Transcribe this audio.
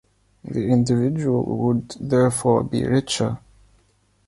The individual would therefore be richer.